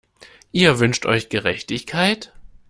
Ihr wünscht euch Gerechtigkeit?